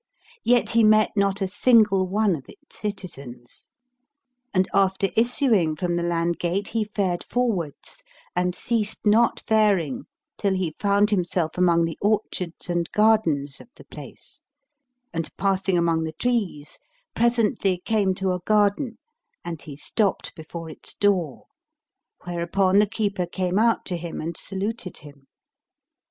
Yet he met not a single one of its citizens. And after issuing from the land gate he fared forwards and ceased not faring till he found himself among the orchards and gardens of the place; and, passing among the trees presently came to a garden and stopped before its door; where upon the keeper came out to him and saluted him.